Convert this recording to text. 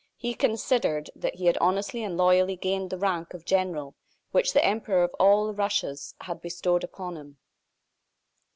He considered that he had honestly and loyally gained the rank of general which the Emperor of all the Russias had bestowed upon him.